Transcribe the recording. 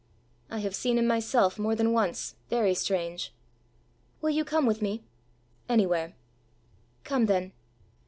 "I have seen him myself, more than once, very strange." "Will you come with me?" "Anywhere." "Come then."